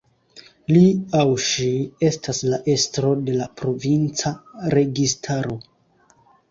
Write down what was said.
Li aŭ ŝi estas la estro de la provinca registaro.